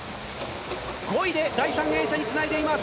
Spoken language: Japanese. ５位で第３泳者につないでいます。